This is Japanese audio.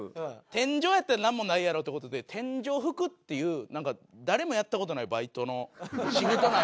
天井やったらなんもないやろうって事で天井拭くっていうなんか誰もやった事ないバイトのシフトになって。